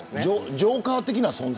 ジョーカー的な存在。